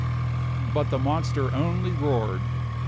But the monster only roared.